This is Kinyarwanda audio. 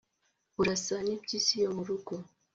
Urasa ni mpyisi yo murugo